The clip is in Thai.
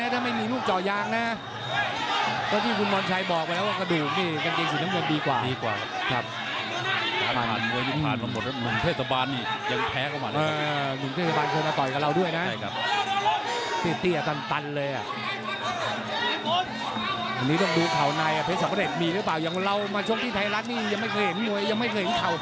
ถูกไหวถูกไหวกระเทียงสีน้ำน้ำดีกว่า